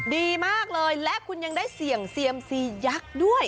ดีมากเลยและคุณยังได้เสี่ยงเซียมซียักษ์ด้วย